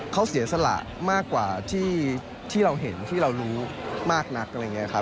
เขาเสียสละมากกว่าที่เราเห็นที่เรารู้มากนัก